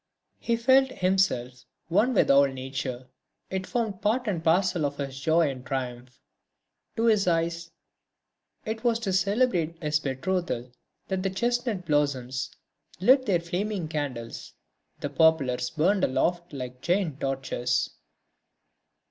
He felt himself one with all nature, it formed part and parcel of his joy and triumph. To his eyes, it was to celebrate his betrothal that the chestnut blossoms lit their flaming candles, the poplars burned aloft like giant torches.